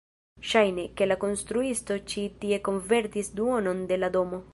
Ŝajne, ke la konstruisto ĉi tie konvertis duonon de la domo